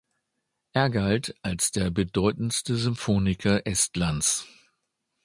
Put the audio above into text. Er galt als der bedeutendste Symphoniker Estlands.